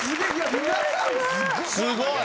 すごい！